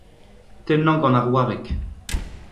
tennañ gant ar wareg